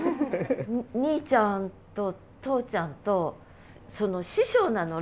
兄ちゃんと父ちゃんとその師匠なの？